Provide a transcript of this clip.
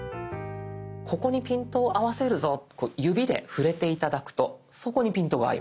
ここにピントを合わせるぞこう指で触れて頂くとそこにピントが合います。